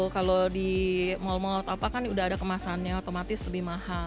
kalau di mal mal apa kan udah ada kemasannya otomatis lebih mahal